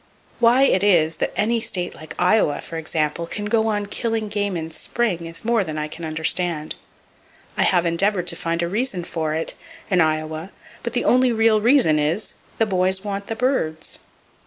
Why it is that any state like Iowa, for example, can go on killing game in spring is more than I can understand. I have endeavored to find a reason for it, in Iowa, but the only real reason is:—"The boys want the birds!"